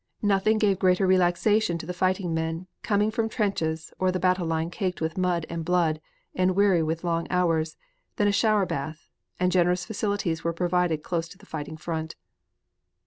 Nothing gave greater relaxation to the fighting man, coming from the trenches, or the battle line caked with mud and blood and weary with long hours, than a shower bath, and generous facilities were provided close to the fighting front.